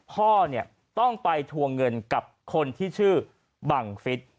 พ่อเนี่ยต้องไปทวงเงินกับคนที่ชื่อบังฟิศ